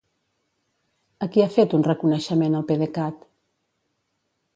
A qui ha fet un reconeixement el PDECat?